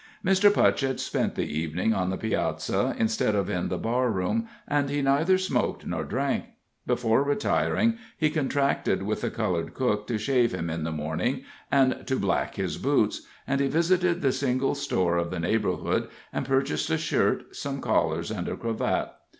Mr. Putchett spent the evening on the piazza instead of in the barroom, and he neither smoked nor drank. Before retiring he contracted with the colored cook to shave him in the morning, and to black his boots; and he visited the single store of the neighborhood and purchased a shirt, some collars, and a cravat.